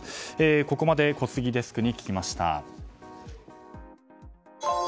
ここまで小杉デスクに聞きました。